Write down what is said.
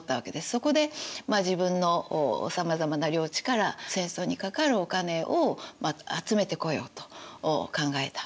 そこで自分のさまざまな領地から戦争にかかるお金を集めてこようと考えた。